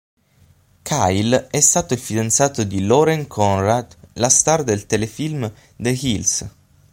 Kyle è stato il fidanzato di Lauren Conrad, la star del telefilm The Hills.